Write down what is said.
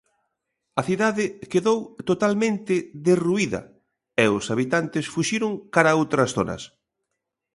A cidade quedou totalmente derruída e os habitantes fuxiron cara a outras zonas.